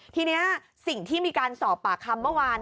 ทีนี้สิ่งที่มีการสอบปากคำเมื่อวาน